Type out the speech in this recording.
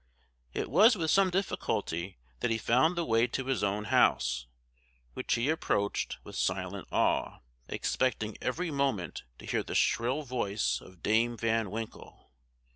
It was with some difficulty that he found the way to his own house, which he approached with silent awe, expecting every moment to hear the shrill voice of Dame Van Winkle.